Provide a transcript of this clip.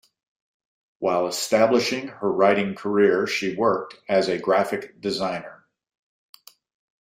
While establishing her writing career she worked as a graphic designer.